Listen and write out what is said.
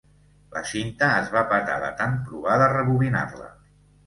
La cinta es va petar de tant provar de rebobinar-la.